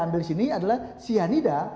ambil sini adalah cyanida